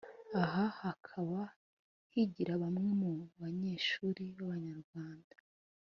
aha hakaba higira bamwe mu banyeshuri b’Abanyarwanda